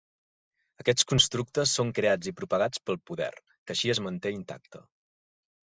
Aquests constructes són creats i propagats pel poder, que així es manté intacte.